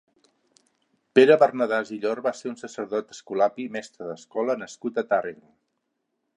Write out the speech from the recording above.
Pere Bernadàs i Llor va ser un sacerdot escolapi mestre d'escola nascut a Tàrrega.